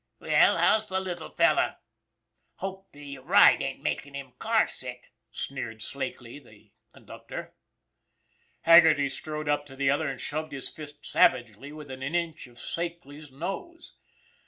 "Well, how's the little fellow? Hope the ride 268 ON THE IRON AT BIG CLOUD ain't makin' him car sick," sneered Slakely, the con ductor. Haggerty strode up to the other, and shoved his fist savagely within an inch of Slakely's nose.